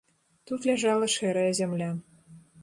Тут ляжала шэрая зямля.